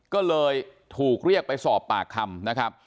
ก็เลยถูกเรียกไปสอบปากคำนะครับ